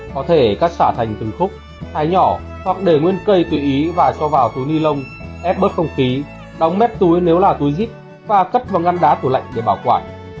có thể cắt xả thành từng khúc hái nhỏ hoặc để nguyên cây tự ý và cho vào túi ni lông ép bớt không khí đóng mét túi nếu là túi dít và cất vào ngăn đá tủ lạnh để bảo quản